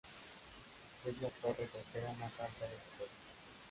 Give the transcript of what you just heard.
Es la torre costera más alta de Japón.